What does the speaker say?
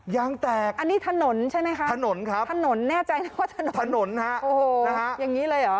ยางแตกถนนใช่ไหมครับถนนครับอย่างนี้เลยหรอ